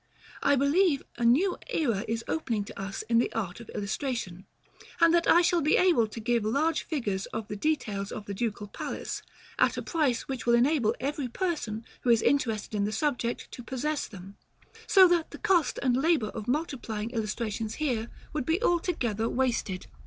I believe a new era is opening to us in the art of illustration, and that I shall be able to give large figures of the details of the Ducal Palace at a price which will enable every person who is interested in the subject to possess them; so that the cost and labor of multiplying illustrations here would be altogether wasted.